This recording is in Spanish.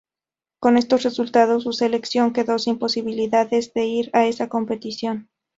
Con estos resultados, su selección quedó sin posibilidades de ir a esa competición.